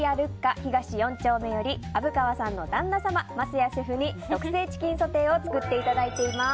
東４丁目より虻川さんの旦那様、桝谷シェフに特製チキンソテーを作っていただいています。